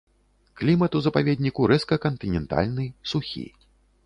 Клімат у запаведніку рэзка кантынентальны, сухі.